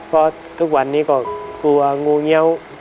เพราะวันนี้ก็หัวงูเหงา